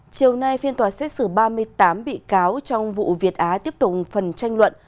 chiều nay phiên tòa xét xử ba mươi tám bị cáo trong vụ việt á tiếp tục phần tranh luận